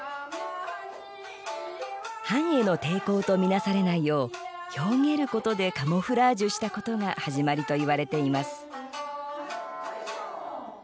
藩への抵抗と見なされないようひょうげることでカモフラージュしたことが始まりといわれています。